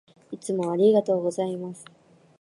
いつもありがとうございます。